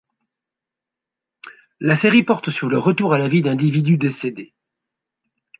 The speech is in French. La série porte sur le retour à la vie d'individus décédés.